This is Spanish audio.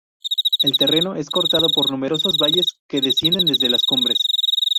El terreno es cortado por numerosos valles, que descienden desde las cumbres.